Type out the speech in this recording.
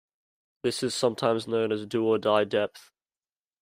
This is sometimes known as "do or die" depth.